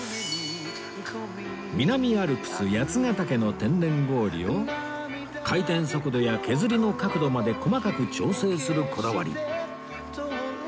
南アルプス八ヶ岳の天然氷を回転速度や削りの角度まで細かく調整するこだわり